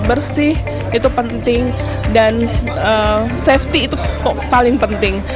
bersih itu penting dan safety itu paling penting